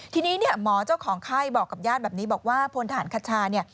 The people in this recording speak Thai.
ทีนี้หมอเจ้าของไข้บอกกับญาติแบบนี้บอกว่าพลฐานคชา